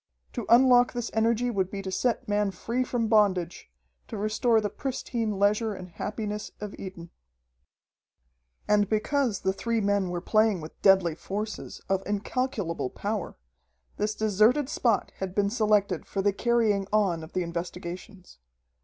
To unlock this energy would be to set man free from bondage, to restore the pristine leisure and happiness of Eden. And because the three men were playing with deadly forces, of incalculable power, this deserted spot had been selected for the carrying on of the investigations.